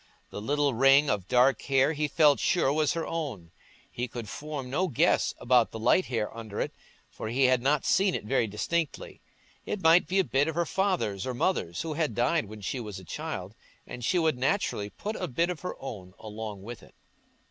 The little ring of dark hair he felt sure was her own; he could form no guess about the light hair under it, for he had not seen it very distinctly. It might be a bit of her father's or mother's, who had died when she was a child, and she would naturally put a bit of her own along with it.